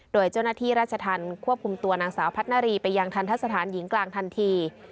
โดยเจ้าหน้าที่ราชธรรมควบคุมตัวนางสาวพัฒนารีไปยังทันทะสถานหญิงกลางทันที